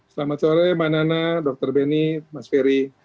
selamat sore mbak nana dr benny mas ferry